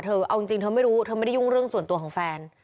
เอาจริงเธอไม่รู้เธอไม่ได้ยุ่งเรื่องส่วนตัวของแฟน